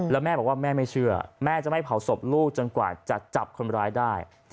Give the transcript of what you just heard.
แล้วแม่บอกว่าแม่ไม่เชื่อแม่จะไม่เผาศพลูกจนกว่าจะจับคนร้ายได้